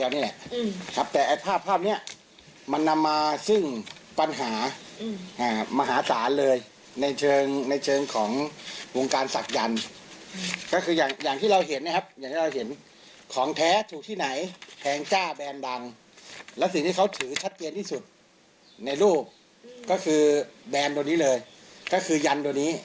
ในรูปก็คือแบรนด์ตรงนี้เลยก็คือยันตรงนี้